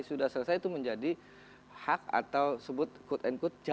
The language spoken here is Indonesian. sudah selesai itu menjadi hak atau sebut quote and quote jalan